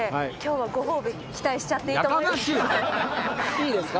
いいですか？